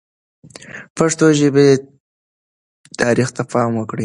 د پښتو ژبې تاریخ ته پام وکړئ.